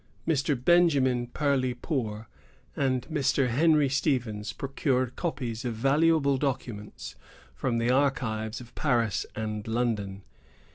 Mr. Benjamin Perley Poore and Mr. Henry Stevens procured copies of valuable documents from the archives of Paris and London.